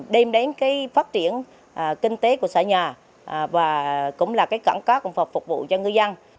đem đến phát triển kinh tế của xã nhà và cũng là cảng cá phục vụ cho ngư dân